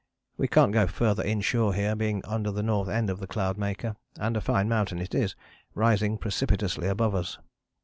We can't go farther inshore here, being under the north end of the Cloudmaker, and a fine mountain it is, rising precipitously above us.